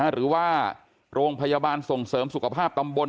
หรือว่าโรงพยาบาลส่งเสริมสุขภาพตำบล